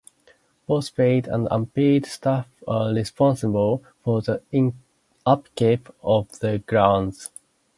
Both paid and unpaid staff are responsible for the upkeep of the grounds.